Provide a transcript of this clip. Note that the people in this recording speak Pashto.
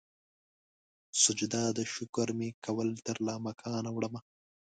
سجده د شکر مې کول ترلا مکان ولاړمه